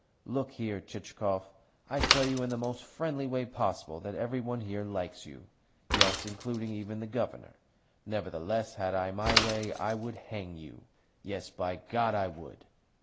"Look here, Chichikov. I tell you in the most friendly way possible that every one here likes you yes, including even the Governor. Nevertheless, had I my way, I would hang you! Yes, by God I would!"